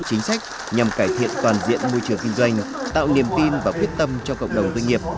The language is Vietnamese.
chính sách nhằm cải thiện toàn diện môi trường kinh doanh tạo niềm tin và quyết tâm cho cộng đồng doanh nghiệp